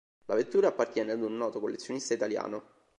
La vettura appartiene ad un noto collezionista italiano.